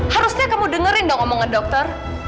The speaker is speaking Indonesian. harusnya kamu dengerin dong omongan dokter